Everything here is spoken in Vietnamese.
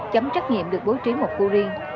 chấm trắc nghiệm được bố trí một khu riêng